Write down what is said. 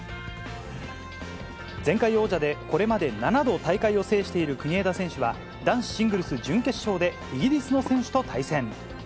前回王者で、これまで７度大会を制している国枝選手は、男子シングルス準決勝でイギリスの選手と対戦。